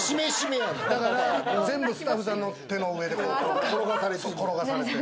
全部スタッフさんの手の上で転がされてる。